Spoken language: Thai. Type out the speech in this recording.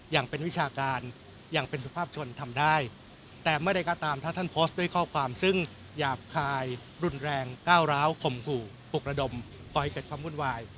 อย่างเป็นวิชาการอย่างเป็นสุภาพชนทำได้แต่เมื่อใดก็ตามถ้าท่านโพสต์ด้วยข้อความซึ่งหยาบคายรุนแรงก้าวร้าวข่มขู่ปลุกระดมก่อให้เกิดความวุ่นวาย